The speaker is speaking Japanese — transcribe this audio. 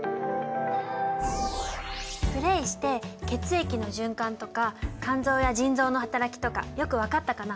プレーして血液の循環とか肝臓や腎臓のはたらきとかよく分かったかな？